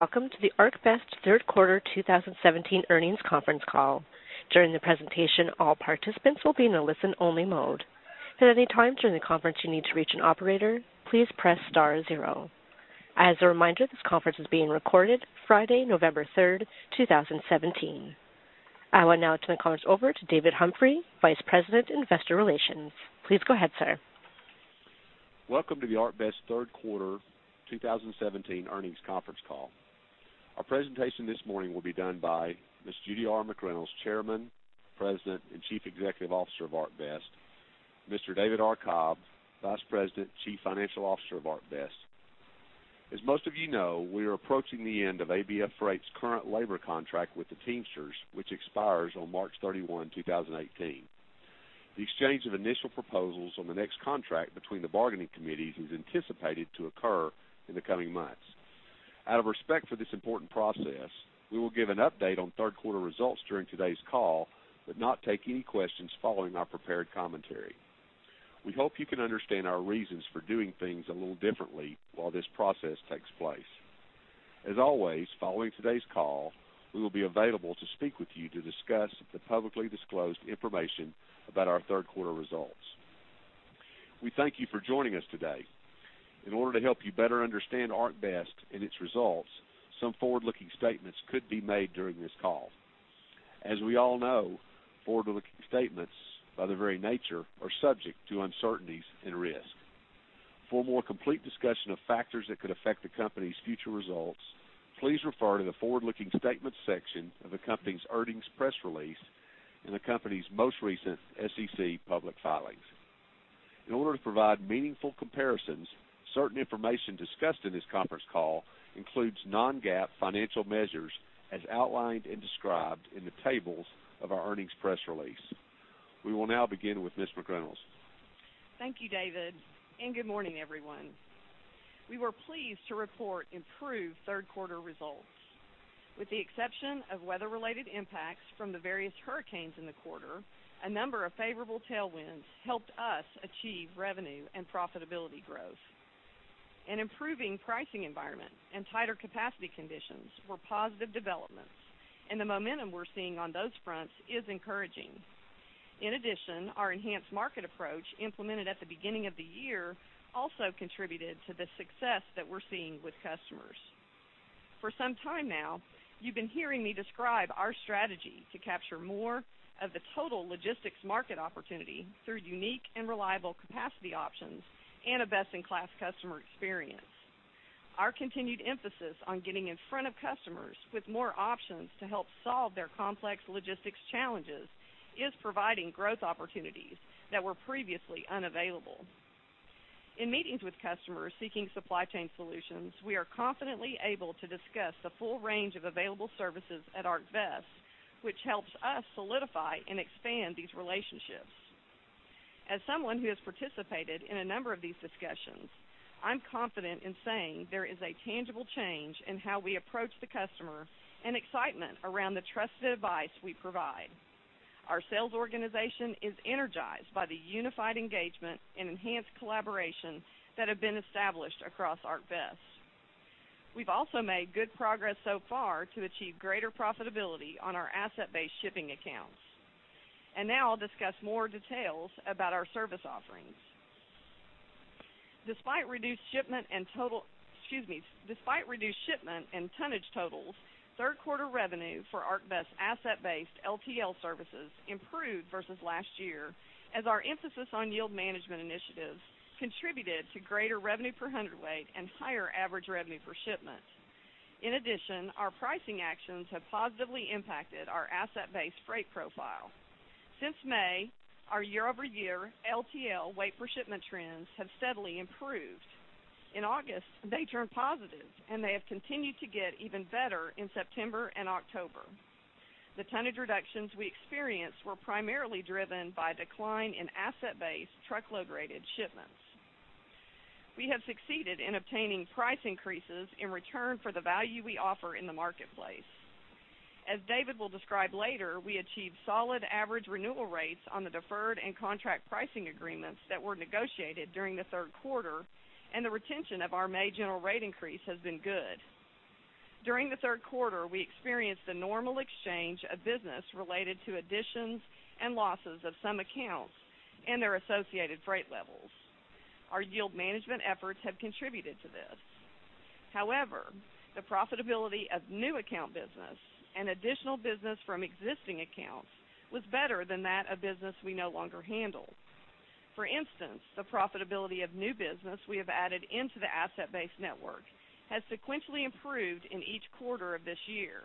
Welcome to the ArcBest Third Quarter 2017 Earnings Conference Call. During the presentation, all participants will be in a listen-only mode. If at any time during the conference you need to reach an operator, please press star zero. As a reminder, this conference is being recorded Friday, November 3rd, 2017. I will now turn the conference over to David Humphrey, Vice President, Investor Relations. Please go ahead, sir. Welcome to the ArcBest Third Quarter 2017 Earnings Conference Call. Our presentation this morning will be done by Ms. Judy R. McReynolds, Chairman, President, and Chief Executive Officer of ArcBest, Mr. David R. Cobb, Vice President and Chief Financial Officer of ArcBest. As most of you know, we are approaching the end of ABF Freight's current labor contract with the Teamsters, which expires on March 31, 2018. The exchange of initial proposals on the next contract between the bargaining committees is anticipated to occur in the coming months. Out of respect for this important process, we will give an update on third quarter results during today's call, but not take any questions following our prepared commentary. We hope you can understand our reasons for doing things a little differently while this process takes place. As always, following today's call, we will be available to speak with you to discuss the publicly disclosed information about our third quarter results. We thank you for joining us today. In order to help you better understand ArcBest and its results, some forward-looking statements could be made during this call. As we all know, forward-looking statements, by their very nature, are subject to uncertainties and risk. For a more complete discussion of factors that could affect the company's future results, please refer to the Forward-Looking Statements section of the company's earnings press release and the company's most recent SEC public filings. In order to provide meaningful comparisons, certain information discussed in this conference call includes non-GAAP financial measures, as outlined and described in the tables of our earnings press release. We will now begin with Ms. McReynolds. Thank you, David, and good morning, everyone. We were pleased to report improved third quarter results. With the exception of weather-related impacts from the various hurricanes in the quarter, a number of favorable tailwinds helped us achieve revenue and profitability growth. An improving pricing environment and tighter capacity conditions were positive developments, and the momentum we're seeing on those fronts is encouraging. In addition, our enhanced market approach, implemented at the beginning of the year, also contributed to the success that we're seeing with customers. For some time now, you've been hearing me describe our strategy to capture more of the total logistics market opportunity through unique and reliable capacity options and a best-in-class customer experience. Our continued emphasis on getting in front of customers with more options to help solve their complex logistics challenges is providing growth opportunities that were previously unavailable. In meetings with customers seeking supply chain solutions, we are confidently able to discuss the full range of available services at ArcBest, which helps us solidify and expand these relationships. As someone who has participated in a number of these discussions, I'm confident in saying there is a tangible change in how we approach the customer and excitement around the trusted advice we provide. Our sales organization is energized by the unified engagement and enhanced collaboration that have been established across ArcBest. We've also made good progress so far to achieve greater profitability on our asset-based shipping accounts. And now I'll discuss more details about our service offerings. Despite reduced shipment and total... Excuse me. Despite reduced shipment and tonnage totals, third quarter revenue for ArcBest asset-based LTL services improved versus last year, as our emphasis on yield management initiatives contributed to greater revenue per hundredweight and higher average revenue per shipment. In addition, our pricing actions have positively impacted our asset-based freight profile. Since May, our year-over-year LTL weight per shipment trends have steadily improved. In August, they turned positive, and they have continued to get even better in September and October. The tonnage reductions we experienced were primarily driven by a decline in asset-based truckload-rated shipments. We have succeeded in obtaining price increases in return for the value we offer in the marketplace. As David will describe later, we achieved solid average renewal rates on the deferred and contract pricing agreements that were negotiated during the third quarter, and the retention of our May general rate increase has been good. During the third quarter, we experienced a normal exchange of business related to additions and losses of some accounts and their associated freight levels. Our yield management efforts have contributed to this. However, the profitability of new account business and additional business from existing accounts was better than that of business we no longer handle. For instance, the profitability of new business we have added into the asset-based network has sequentially improved in each quarter of this year.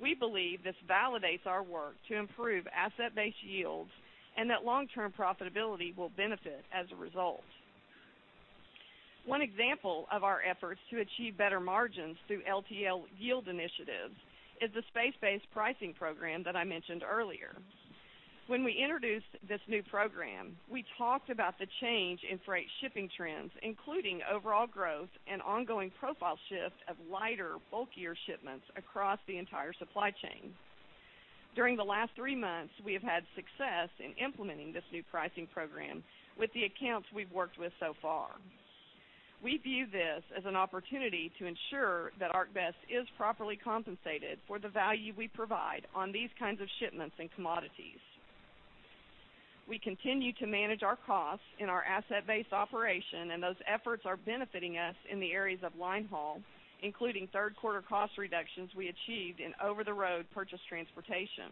We believe this validates our work to improve asset-based yields and that long-term profitability will benefit as a result. One example of our efforts to achieve better margins through LTL yield initiatives is the space-based pricing program that I mentioned earlier. When we introduced this new program, we talked about the change in freight shipping trends, including overall growth and ongoing profile shift of lighter, bulkier shipments across the entire supply chain.... During the last three months, we have had success in implementing this new pricing program with the accounts we've worked with so far. We view this as an opportunity to ensure that ArcBest is properly compensated for the value we provide on these kinds of shipments and commodities. We continue to manage our costs in our asset-based operation, and those efforts are benefiting us in the areas of linehaul, including third quarter cost reductions we achieved in over-the-road purchased transportation.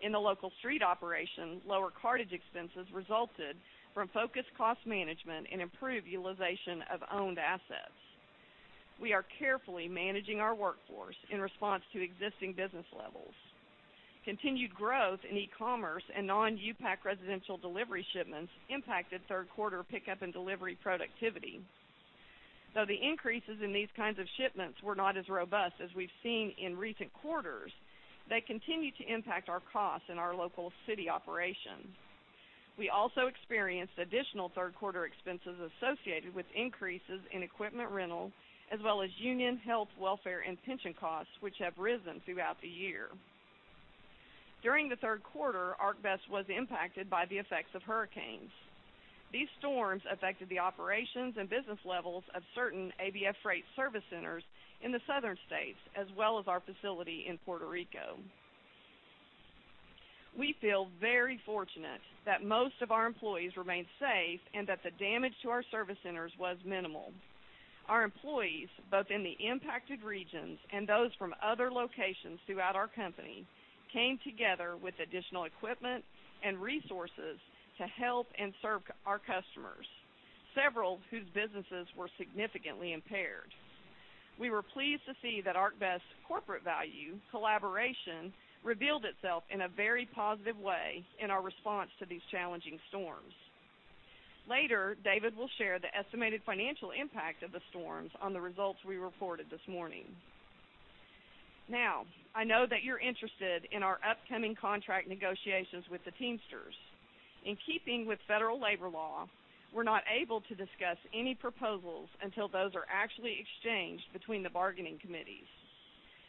In the local street operation, lower cartage expenses resulted from focused cost management and improved utilization of owned assets. We are carefully managing our workforce in response to existing business levels. Continued growth in e-commerce and non-U-Pack residential delivery shipments impacted third quarter pickup and delivery productivity. Though the increases in these kinds of shipments were not as robust as we've seen in recent quarters, they continue to impact our costs in our local city operations. We also experienced additional third quarter expenses associated with increases in equipment rental, as well as union health, welfare, and pension costs, which have risen throughout the year. During the third quarter, ArcBest was impacted by the effects of hurricanes. These storms affected the operations and business levels of certain ABF Freight service centers in the southern states, as well as our facility in Puerto Rico. We feel very fortunate that most of our employees remained safe and that the damage to our service centers was minimal. Our employees, both in the impacted regions and those from other locations throughout our company, came together with additional equipment and resources to help and serve our customers, several whose businesses were significantly impaired. We were pleased to see that ArcBest's corporate value, collaboration, revealed itself in a very positive way in our response to these challenging storms. Later, David will share the estimated financial impact of the storms on the results we reported this morning. Now, I know that you're interested in our upcoming contract negotiations with the Teamsters. In keeping with federal labor law, we're not able to discuss any proposals until those are actually exchanged between the bargaining committees.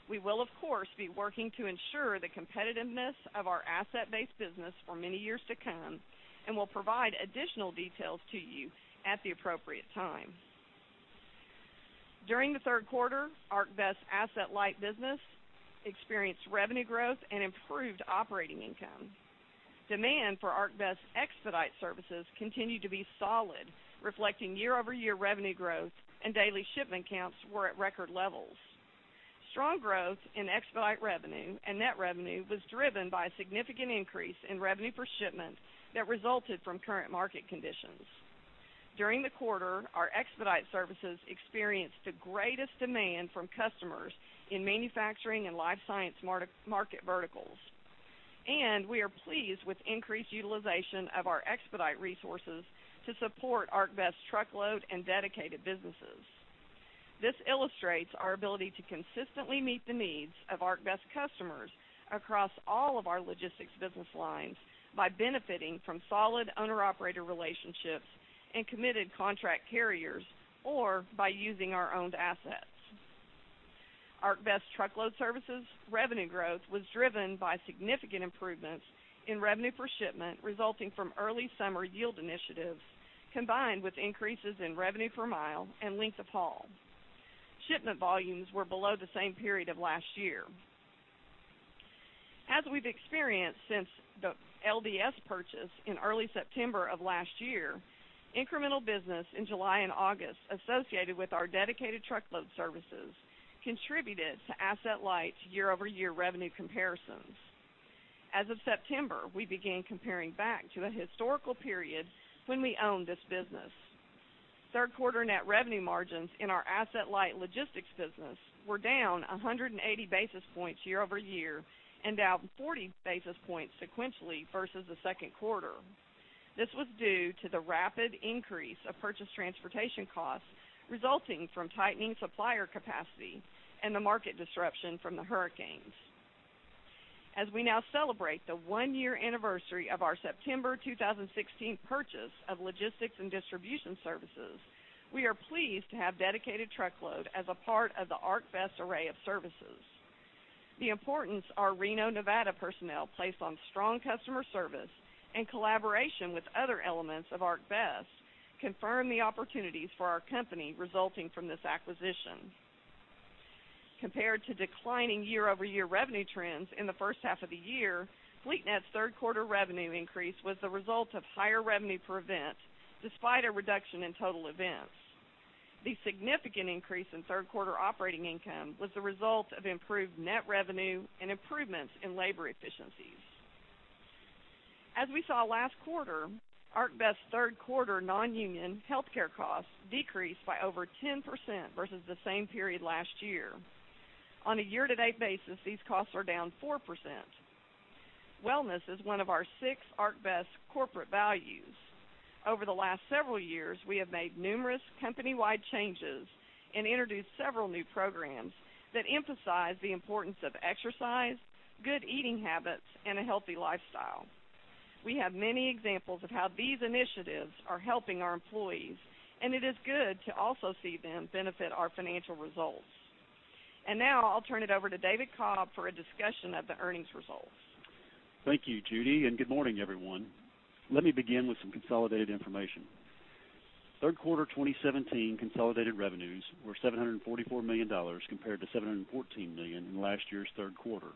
We will, of course, be working to ensure the competitiveness of our asset-based business for many years to come and will provide additional details to you at the appropriate time. During the third quarter, ArcBest asset-light business experienced revenue growth and improved operating income. Demand for ArcBest expedite services continued to be solid, reflecting year-over-year revenue growth, and daily shipment counts were at record levels. Strong growth in expedite revenue and net revenue was driven by a significant increase in revenue per shipment that resulted from current market conditions. During the quarter, our expedite services experienced the greatest demand from customers in manufacturing and life science market verticals, and we are pleased with increased utilization of our expedite resources to support ArcBest truckload and dedicated businesses. This illustrates our ability to consistently meet the needs of ArcBest customers across all of our logistics business lines by benefiting from solid owner-operator relationships and committed contract carriers, or by using our owned assets. ArcBest truckload services revenue growth was driven by significant improvements in revenue per shipment, resulting from early summer yield initiatives, combined with increases in revenue per mile and length of haul. Shipment volumes were below the same period of last year. As we've experienced since the LDS purchase in early September of last year, incremental business in July and August associated with our dedicated truckload services contributed to Asset-Light's year-over-year revenue comparisons. As of September, we began comparing back to a historical period when we owned this business. Third quarter net revenue margins in our Asset-Light logistics business were down 180 basis points year-over-year and down 40 basis points sequentially versus the second quarter. This was due to the rapid increase of purchase transportation costs resulting from tightening supplier capacity and the market disruption from the hurricanes. As we now celebrate the one-year anniversary of our September 2016 purchase of Logistics and Distribution Services, we are pleased to have dedicated truckload as a part of the ArcBest array of services. The importance our Reno, Nevada, personnel place on strong customer service and collaboration with other elements of ArcBest confirm the opportunities for our company resulting from this acquisition. Compared to declining year-over-year revenue trends in the first half of the year, FleetNet's third quarter revenue increase was the result of higher revenue per event, despite a reduction in total events. The significant increase in third quarter operating income was the result of improved net revenue and improvements in labor efficiencies. As we saw last quarter, ArcBest's third quarter non-union healthcare costs decreased by over 10% versus the same period last year. On a year-to-date basis, these costs are down 4%. Wellness is one of our six ArcBest corporate values. Over the last several years, we have made numerous company-wide changes and introduced several new programs that emphasize the importance of exercise, good eating habits, and a healthy lifestyle.... We have many examples of how these initiatives are helping our employees, and it is good to also see them benefit our financial results. And now, I'll turn it over to David Cobb for a discussion of the earnings results. Thank you, Judy, and good morning, everyone. Let me begin with some consolidated information. Third quarter 2017 consolidated revenues were $744 million compared to $714 million in last year's third quarter,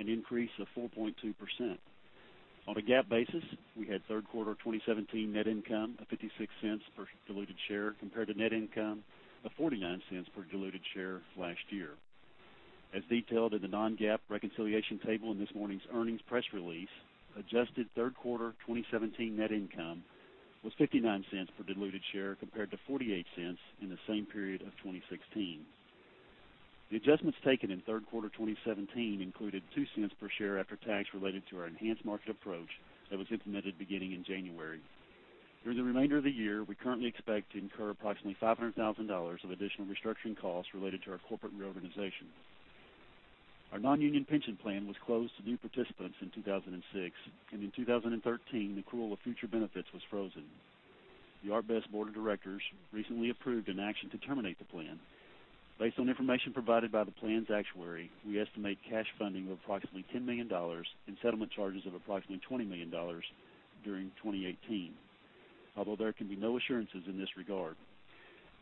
an increase of 4.2%. On a GAAP basis, we had third quarter 2017 net income of $0.56 per diluted share compared to net income of $0.49 per diluted share last year. As detailed in the non-GAAP reconciliation table in this morning's earnings press release, adjusted third quarter 2017 net income was $0.59 per diluted share compared to $0.48 in the same period of 2016. The adjustments taken in third quarter 2017 included $0.02 per share after tax related to our enhanced market approach that was implemented beginning in January. During the remainder of the year, we currently expect to incur approximately $500,000 of additional restructuring costs related to our corporate reorganization. Our non-union pension plan was closed to new participants in 2006, and in 2013, the accrual of future benefits was frozen. The ArcBest Board of Directors recently approved an action to terminate the plan. Based on information provided by the plan's actuary, we estimate cash funding of approximately $10 million and settlement charges of approximately $20 million during 2018, although there can be no assurances in this regard.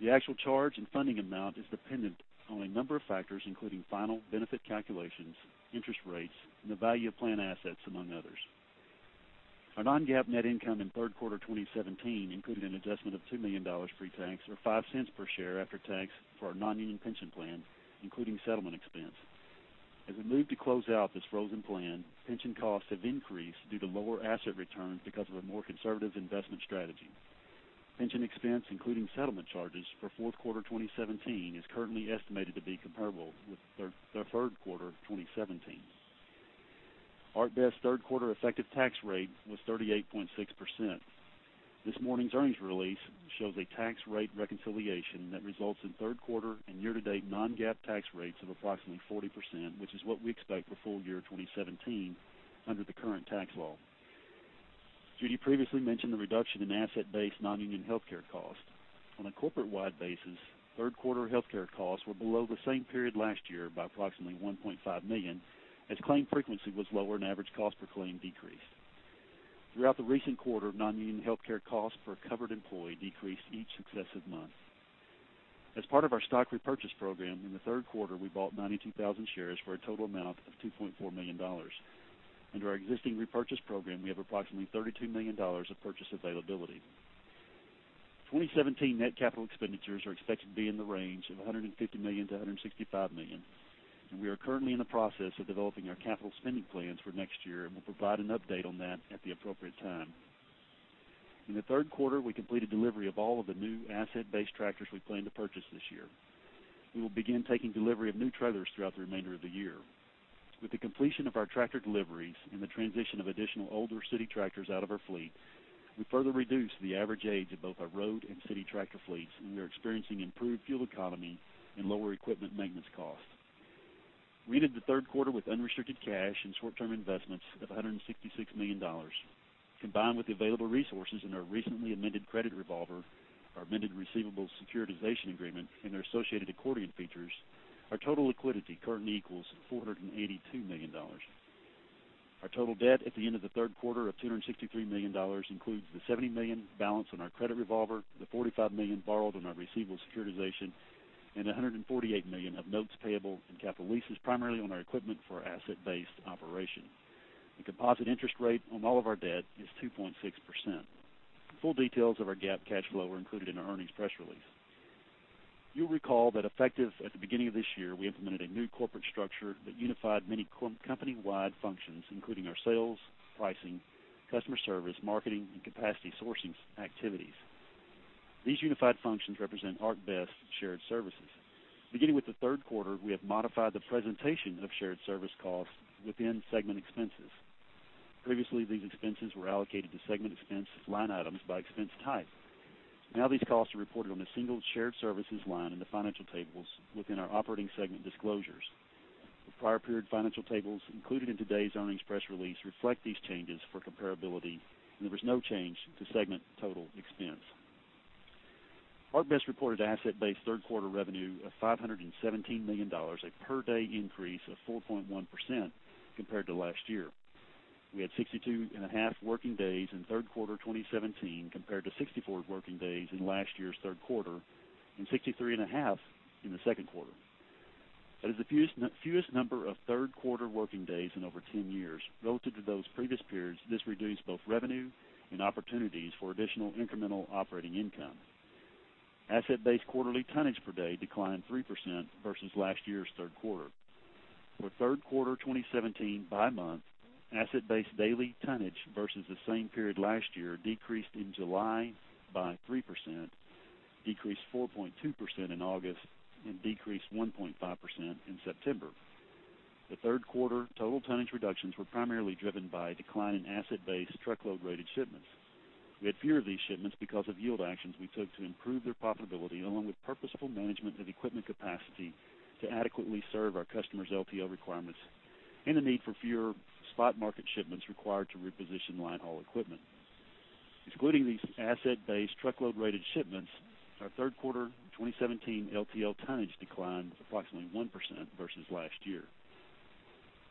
The actual charge and funding amount is dependent on a number of factors, including final benefit calculations, interest rates, and the value of plan assets, among others. Our non-GAAP net income in third quarter 2017 included an adjustment of $2 million pre-tax, or $0.05 per share after tax for our non-union pension plan, including settlement expense. As we move to close out this frozen plan, pension costs have increased due to lower asset returns because of a more conservative investment strategy. Pension expense, including settlement charges for fourth quarter 2017, is currently estimated to be comparable with the third quarter of 2017. ArcBest third quarter effective tax rate was 38.6%. This morning's earnings release shows a tax rate reconciliation that results in third quarter and year-to-date non-GAAP tax rates of approximately 40%, which is what we expect for full year 2017 under the current tax law. Judy previously mentioned the reduction in asset-based, non-union healthcare costs. On a corporate-wide basis, third quarter healthcare costs were below the same period last year by approximately $1.5 million, as claim frequency was lower and average cost per claim decreased. Throughout the recent quarter, non-union healthcare costs per covered employee decreased each successive month. As part of our stock repurchase program, in the third quarter, we bought 92,000 shares for a total amount of $2.4 million. Under our existing repurchase program, we have approximately $32 million of purchase availability. 2017 net capital expenditures are expected to be in the range of $150 million-$165 million, and we are currently in the process of developing our capital spending plans for next year, and we'll provide an update on that at the appropriate time. In the third quarter, we completed delivery of all of the new asset-based tractors we plan to purchase this year. We will begin taking delivery of new trailers throughout the remainder of the year. With the completion of our tractor deliveries and the transition of additional older city tractors out of our fleet, we further reduced the average age of both our road and city tractor fleets, and we are experiencing improved fuel economy and lower equipment maintenance costs. We ended the third quarter with unrestricted cash and short-term investments of $166 million. Combined with the available resources in our recently amended credit revolver, our amended receivables securitization agreement, and our associated accordion features, our total liquidity currently equals $482 million. Our total debt at the end of the third quarter of $263 million includes the $70 million balance on our credit revolver, the $45 million borrowed on our receivables securitization, and $148 million of notes payable and capital leases, primarily on our equipment for our asset-based operation. The composite interest rate on all of our debt is 2.6%. Full details of our GAAP cash flow are included in our earnings press release. You'll recall that effective at the beginning of this year, we implemented a new corporate structure that unified many company-wide functions, including our sales, pricing, customer service, marketing, and capacity sourcing activities. These unified functions represent ArcBest Shared Services. Beginning with the third quarter, we have modified the presentation of shared service costs within segment expenses. Previously, these expenses were allocated to segment expense line items by expense type. Now, these costs are reported on a single shared services line in the financial tables within our operating segment disclosures. The prior period financial tables included in today's earnings press release reflect these changes for comparability, and there was no change to segment total expense. ArcBest reported asset-based third quarter revenue of $517 million, a per-day increase of 4.1% compared to last year. We had 62.5 working days in third quarter 2017 compared to 64 working days in last year's third quarter and 63.5 in the second quarter. That is the fewest, fewest number of third quarter working days in over 10 years. Relative to those previous periods, this reduced both revenue and opportunities for additional incremental operating income. Asset-based quarterly tonnage per day declined 3% versus last year's third quarter. For third quarter 2017 by month, asset-based daily tonnage versus the same period last year decreased in July by 3%, decreased 4.2% in August, and decreased 1.5% in September. The third quarter total tonnage reductions were primarily driven by a decline in asset-based truckload-rated shipments. We had fewer of these shipments because of yield actions we took to improve their profitability, along with purposeful management of equipment capacity to adequately serve our customers' LTL requirements and the need for fewer spot market shipments required to reposition linehaul equipment. Excluding these asset-based truckload rated shipments, our third quarter 2017 LTL tonnage declined approximately 1% versus last year.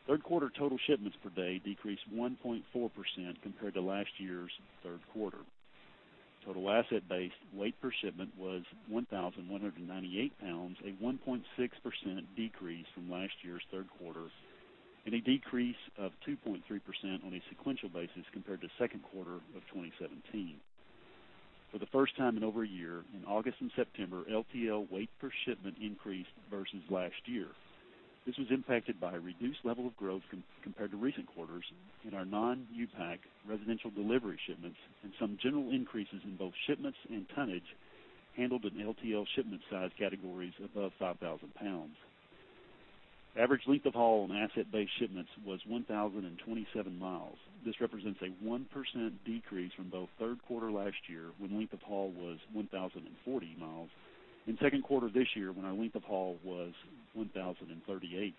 Third quarter total shipments per day decreased 1.4% compared to last year's third quarter. Total asset-based weight per shipment was 1,198 pounds, a 1.6% decrease from last year's third quarter, and a decrease of 2.3% on a sequential basis compared to second quarter of 2017. For the first time in over a year, in August and September, LTL weight per shipment increased versus last year. This was impacted by a reduced level of growth compared to recent quarters in our non-U-Pack residential delivery shipments and some general increases in both shipments and tonnage handled in LTL shipment size categories above 5,000 pounds. Average length of haul on asset-based shipments was 1,027 miles. This represents a 1% decrease from both third quarter last year, when length of haul was 1,040 mi, and second quarter this year, when our length of haul was 1,038 mi.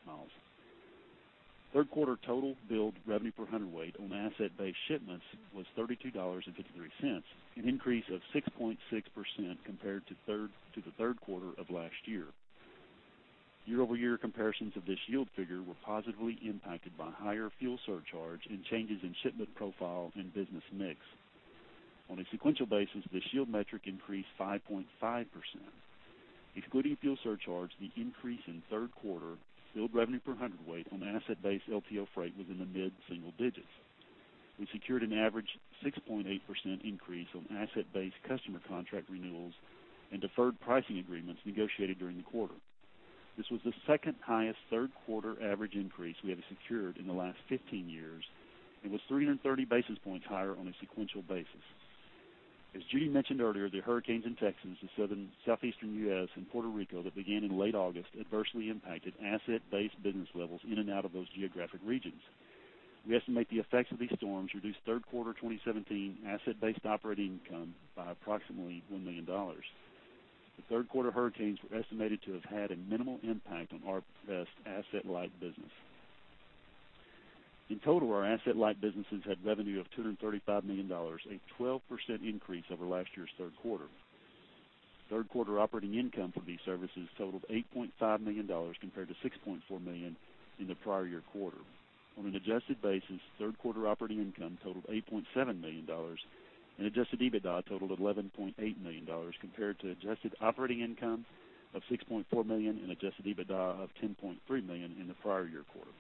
Third quarter total billed revenue per hundredweight on asset-based shipments was $32.53, an increase of 6.6% compared to the third quarter of last year. Year-over-year comparisons of this yield figure were positively impacted by higher fuel surcharge and changes in shipment profile and business mix. On a sequential basis, this yield metric increased 5.5%. Excluding fuel surcharge, the increase in third quarter billed revenue per hundredweight on asset-based LTL freight was in the mid-single digits. We secured an average 6.8% increase on asset-based customer contract renewals and deferred pricing agreements negotiated during the quarter. This was the second highest third quarter average increase we have secured in the last 15 years and was 330 basis points higher on a sequential basis. As Judy mentioned earlier, the hurricanes in Texas, the southeastern U.S., and Puerto Rico that began in late August adversely impacted asset-based business levels in and out of those geographic regions. We estimate the effects of these storms reduced third quarter 2017 asset-based operating income by approximately $1 million. The third quarter hurricanes were estimated to have had a minimal impact on ArcBest asset-light business. In total, our asset-light businesses had revenue of $235 million, a 12% increase over last year's third quarter. Third quarter operating income from these services totaled $8.5 million compared to $6.4 million in the prior year quarter. On an adjusted basis, third quarter operating income totaled $8.7 million, and adjusted EBITDA totaled $11.8 million compared to adjusted operating income of $6.4 million and adjusted EBITDA of $10.3 million in the prior year quarter.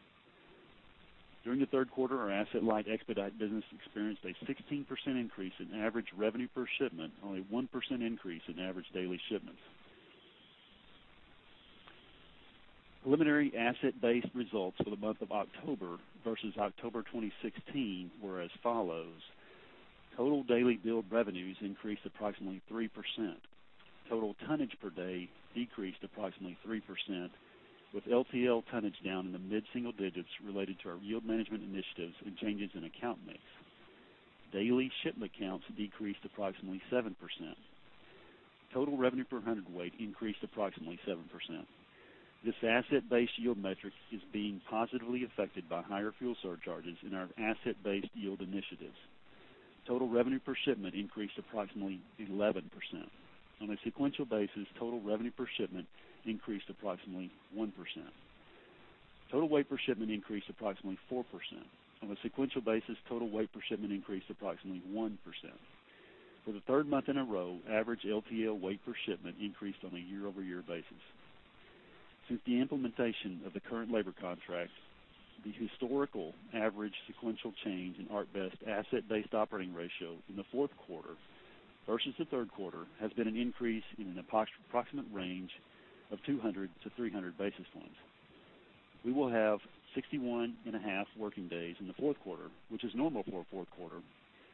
During the third quarter, our asset-light expedite business experienced a 16% increase in average revenue per shipment on a 1% increase in average daily shipments. Preliminary asset-based results for the month of October versus October 2016 were as follows: Total daily billed revenues increased approximately 3%. Total tonnage per day decreased approximately 3%, with LTL tonnage down in the mid-single digits related to our yield management initiatives and changes in account mix. Daily shipment counts decreased approximately 7%. Total revenue per hundredweight increased approximately 7%. This asset-based yield metric is being positively affected by higher fuel surcharges in our asset-based yield initiatives. Total revenue per shipment increased approximately 11%. On a sequential basis, total revenue per shipment increased approximately 1%. Total weight per shipment increased approximately 4%. On a sequential basis, total weight per shipment increased approximately 1%. For the third month in a row, average LTL weight per shipment increased on a year-over-year basis. Since the implementation of the current labor contracts, the historical average sequential change in ArcBest asset-based operating ratio in the fourth quarter versus the third quarter, has been an increase in an approximate range of 200-300 basis points. We will have 61.5 working days in the fourth quarter, which is normal for a fourth quarter,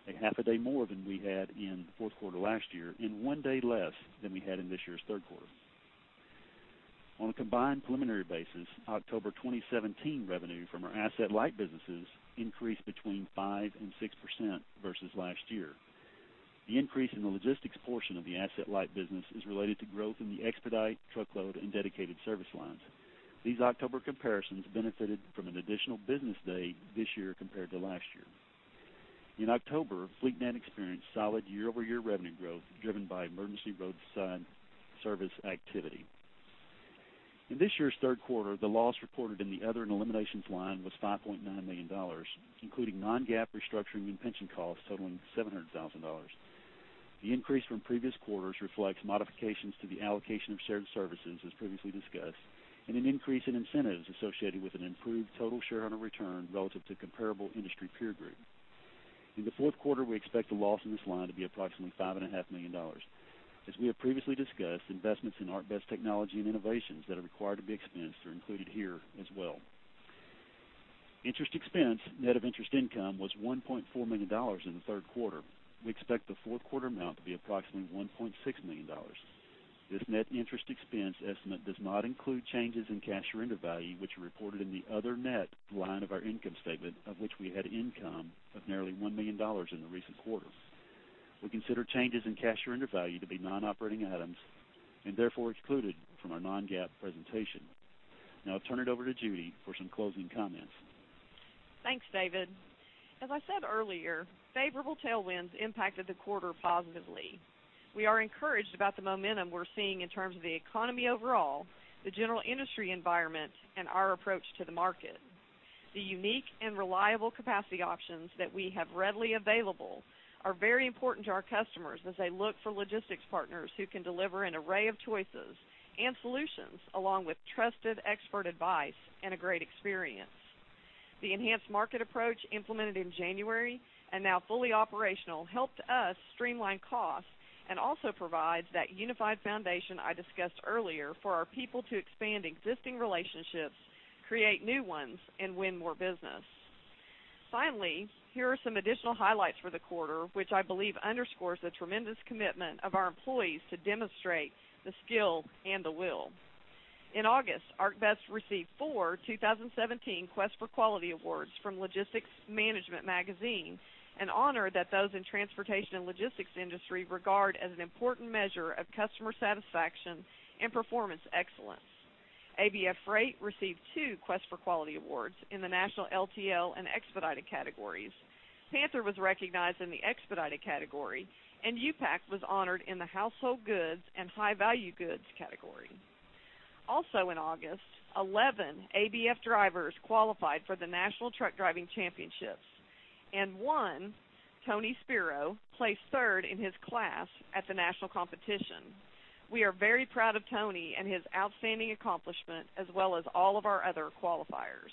0.5 day more than we had in the fourth quarter last year, and one day less than we had in this year's third quarter. On a combined preliminary basis, October 2017 revenue from our asset-light businesses increased between 5% and 6% versus last year. The increase in the logistics portion of the asset-light business is related to growth in the expedite, truckload, and dedicated service lines. These October comparisons benefited from an additional business day this year compared to last year. In October, FleetNet experienced solid year-over-year revenue growth, driven by emergency roadside service activity. In this year's third quarter, the loss reported in the other and eliminations line was $5.9 million, including non-GAAP restructuring and pension costs totaling $700,000. The increase from previous quarters reflects modifications to the allocation of shared services, as previously discussed, and an increase in incentives associated with an improved total shareholder return relative to comparable industry peer group. In the fourth quarter, we expect the loss in this line to be approximately $5.5 million. As we have previously discussed, investments in ArcBest technology and innovations that are required to be expensed are included here as well. Interest expense, net of interest income, was $1.4 million in the third quarter. We expect the fourth quarter amount to be approximately $1.6 million. This net interest expense estimate does not include changes in cash surrender value, which are reported in the other net line of our income statement, of which we had income of nearly $1 million in the recent quarter. We consider changes in cash surrender value to be non-operating items, and therefore excluded from our non-GAAP presentation. Now I'll turn it over to Judy for some closing comments. Thanks, David. As I said earlier, favorable tailwinds impacted the quarter positively. We are encouraged about the momentum we're seeing in terms of the economy overall, the general industry environment, and our approach to the market. The unique and reliable capacity options that we have readily available are very important to our customers as they look for logistics partners who can deliver an array of choices and solutions, along with trusted expert advice and a great experience. The enhanced market approach, implemented in January and now fully operational, helped us streamline costs and also provides that unified foundation I discussed earlier for our people to expand existing relationships, create new ones, and win more business. Finally, here are some additional highlights for the quarter, which I believe underscores the tremendous commitment of our employees to demonstrate the skill and the will. In August, ArcBest received 4 2017 Quest for Quality awards from Logistics Management Magazine, an honor that those in transportation and logistics industry regard as an important measure of customer satisfaction and performance excellence. ABF Freight received two Quest for Quality awards in the national LTL and expedited categories. Panther was recognized in the expedited category, and U-Pack was honored in the household goods and high-value goods category. Also in August, 11 ABF drivers qualified for the National Truck Driving Championships, and one, Tony Spero, placed third in his class at the national competition. We are very proud of Tony and his outstanding accomplishment, as well as all of our other qualifiers.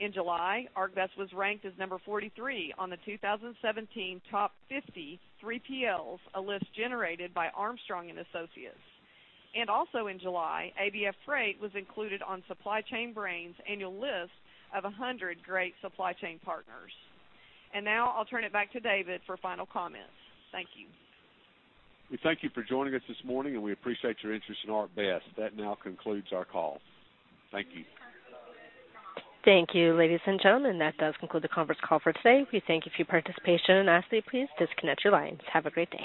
In July, ArcBest was ranked as number 43 on the 2017 Top 50 3PLs, a list generated by Armstrong & Associates. Also in July, ABF Freight was included on SupplyChainBrain's annual list of 100 Great Supply Chain Partners. Now I'll turn it back to David for final comments. Thank you. We thank you for joining us this morning, and we appreciate your interest in ArcBest. That now concludes our call. Thank you. Thank you, ladies and gentlemen, that does conclude the conference call for today. We thank you for your participation, and lastly, please disconnect your lines. Have a great day.